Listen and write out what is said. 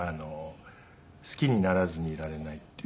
『好きにならずにいられない』っていう。